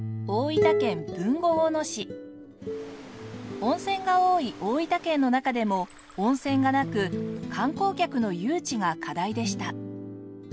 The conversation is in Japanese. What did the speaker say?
温泉が多い大分県の中でも温泉がなく観光客の誘致が課題でした。